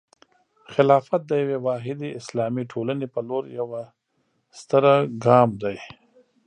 خلافت د یوې واحدې اسلامي ټولنې په لور یوه ستره ګام دی.